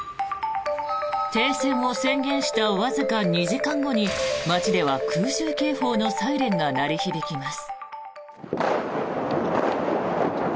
停戦を宣言したわずか２時間後に街では空襲警報のサイレンが鳴り響きます。